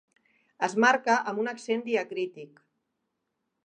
Es marca amb un accent diacrític.